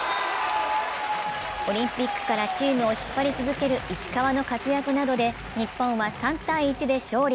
オリンピックからチームを引っ張り続ける石川の活躍などで日本は３−１で勝利。